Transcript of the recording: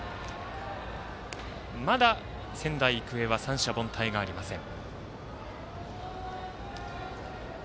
まだ仙台育英は三者凡退がありません。